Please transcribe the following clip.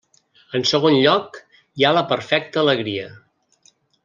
En segon lloc, hi ha la perfecta alegria.